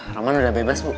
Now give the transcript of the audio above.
roman udah bebas bu